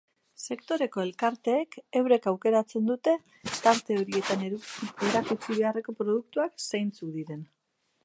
Sektoreko elkarteek eurek aukeratzen dute tarte horietan erakutsi beharreko produktuak zeintzuk diren.